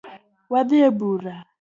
Wadhi ebura